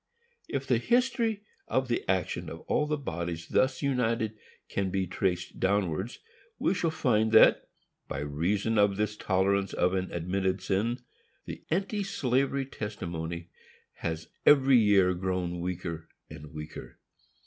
If the history of the action of all the bodies thus united can be traced downwards, we shall find that, by reason of this tolerance of an admitted sin, the anti slavery testimony has every year grown weaker and weaker.